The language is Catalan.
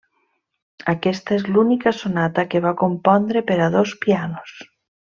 Aquesta és l'única sonata que va compondre per a dos pianos.